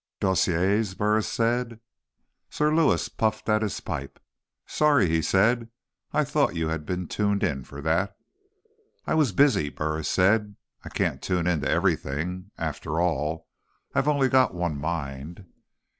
"Dossiers?" Burris said. Sir Lewis puffed at his pipe. "Sorry," he said. "I thought you had been tuned in for that." "I was busy," Burris said. "I can't tune into everything. After all, I've only got one mind."